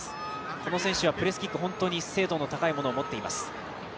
この選手はプレスキック、本当に精度の高いものを持っています。